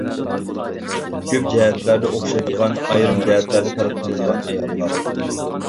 كۆپ جەھەتلەردە ئوخشايدىغان ئايرىم جەھەتلەردە پەرقلىنىدىغان ئاياللار.